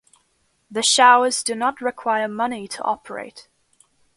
The showers do not require money to operate.